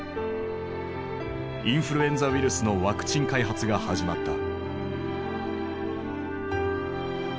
インフルエンザウイルスのワクチン開発が始まった。